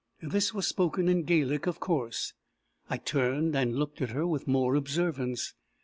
This was spoken in Gaelic, of course. I turned and looked at her with more observance.